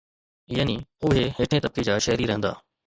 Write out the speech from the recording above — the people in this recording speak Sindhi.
يعني اهي هيٺين طبقي جا شهري رهندا.